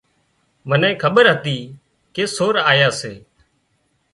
منين کٻير هتي ڪي سور آيا سي